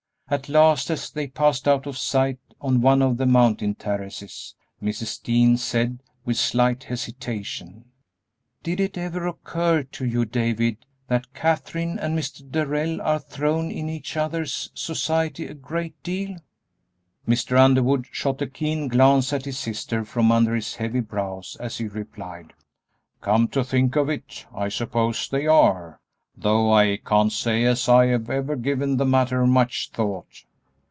At last, as they passed out of sight on one of the mountain terraces, Mrs. Dean said, with slight hesitation, "Did it ever occur to you, David, that Katherine and Mr. Darrell are thrown in each other's society a great deal?" Mr. Underwood shot a keen glance at his sister from under his heavy brows, as he replied, "Come to think of it, I suppose they are, though I can't say as I've ever given the matter much thought."